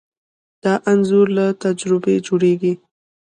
دا انځور له تجربې جوړېږي.